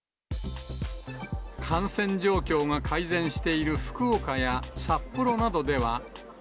感染状況が改善している福岡や札幌などでは。